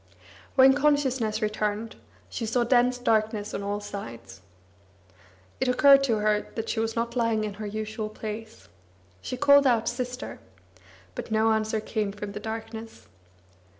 When consciousness returned, she saw dense darkness on all sides. It occurred to her that she was not lying in her usual place. She called out "Sister," but no answer came from the darkness.